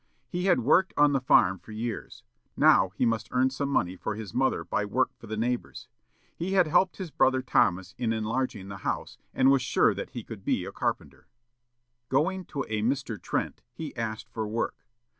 He had worked on the farm for years; now he must earn some money for his mother by work for the neighbors. He had helped his brother Thomas in enlarging the house, and was sure that he could be a carpenter. Going to a Mr. Trent, he asked for work.